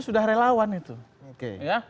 sudah relawan itu oke ya